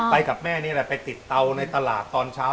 กับแม่นี่แหละไปติดเตาในตลาดตอนเช้า